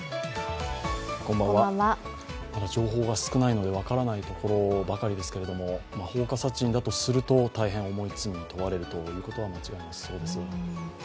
まだ情報が少ないので分からないところばかりですけれども、放火殺人だとすると大変重い罪に問われるということはもちろんそうです。